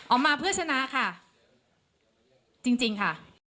ออกมาเพื่อชนะค่ะจริงค่ะ